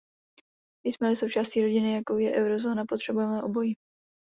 Jsme-li součástí rodiny, jakou je eurozóna, potřebujeme obojí.